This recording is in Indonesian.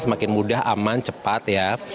semakin mudah aman cepat ya